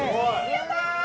やったー！